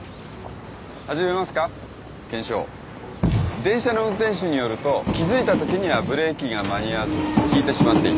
電車の運転手によると気付いたときにはブレーキが間に合わずひいてしまっていた。